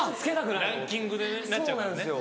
ランキングでなっちゃうからね。